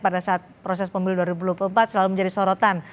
pada saat proses pemilu dua ribu dua puluh empat selalu menjadi sorotan